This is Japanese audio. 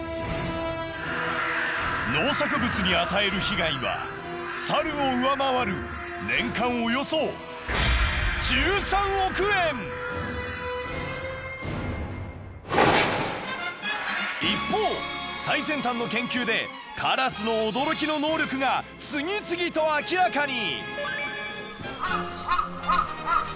農作物に与える被害は猿を上回る年間およそ一方最先端の研究でカラスの驚きの能力が次々と明らかに！